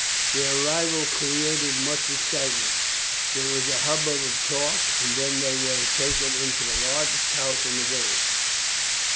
Their arrival created much excitement. There was a hubbub of talk, and then they were taken into the largest house in the village.